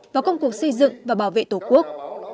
vào công cuộc xây dựng và bảo vệ tổ quốc